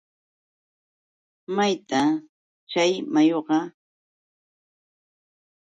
¿mayta chay mayuqa?